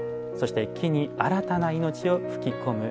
「木に新たな命を吹き込む」。